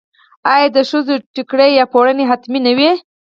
آیا د ښځو ټیکری یا پړونی حتمي نه وي؟